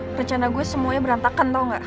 percana gue semuanya berantakan tau gak